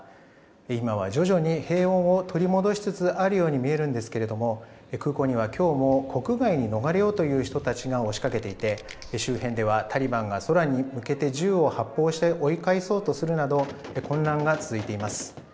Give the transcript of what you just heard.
今は徐々に平穏を取り戻しつつあるように見えるんですが空港には、きょうも国外に逃れようという人が押しかけていて、周辺ではタリバンが空に向けて銃を発砲して追い返そうとするなど混乱が続いています。